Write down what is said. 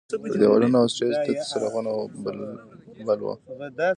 پر دیوالونو او سټیج تت څراغونه بل وو.